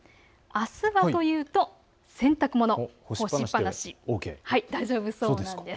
あすはというと洗濯物、干しっぱなしＯＫです。